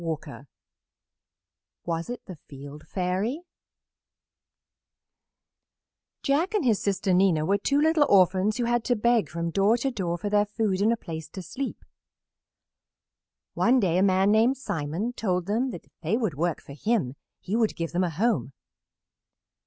[Illustration: The Field Fairy] Jack and his sister Nina were two little orphans who had to beg from door to door for their food and a place to sleep. One day a man named Simon told them if they would work for him he would give them a home.